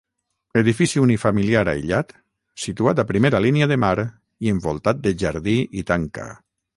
Edifici unifamiliar aïllat, situat a primera línia de mar i envoltat de jardí i tanca.